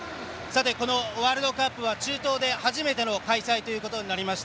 このワールドカップは中東で初めての開催ということになりました。